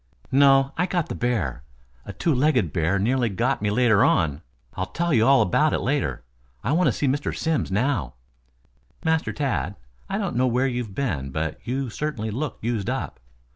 "No, I got the bear. A two legged bear nearly got me later on. I'll tell you all about it later. I want to see Mr. Simms now." "Master Tad, I don't know where you have been, but you certainly look used up.